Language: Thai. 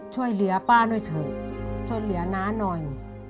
ช่วยเหลือป้าด้วยเถอะช่วยเหลือน้าหน่อย